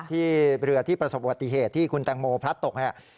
ที่เรือที่ประสบวัติเหตุที่คุณแตงโมพลัดตกเนี่ย